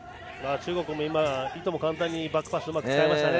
中国もいとも簡単にバックパスをうまく使いましたね。